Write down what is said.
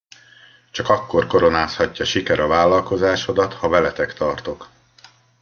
Csak akkor koronázhatja siker a vállalkozásodat, ha veletek tartok.